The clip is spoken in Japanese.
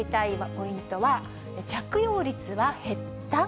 ポイントは着用率は減った？